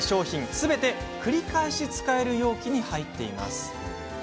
すべて繰り返し使える容器に入っています。